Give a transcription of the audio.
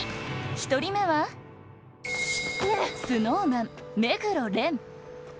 １人目はＳｎｏｗＭａｎ、目黒蓮